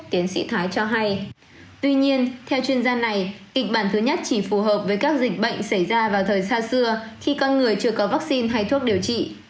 tuy nhiên thái cho hay theo chuyên gia này kịch bản thứ nhất chỉ phù hợp với các dịch bệnh xảy ra vào thời xa xưa khi con người chưa có vaccine hay thuốc điều trị